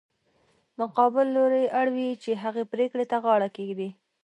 مقابل لوری اړ وي چې هغې پرېکړې ته غاړه کېږدي.